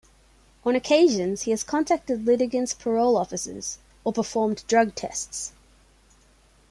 On occasions he has contacted litigants' parole officers or performed drug tests.